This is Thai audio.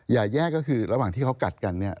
แยกก็คือระหว่างที่เขากัดกันเนี่ย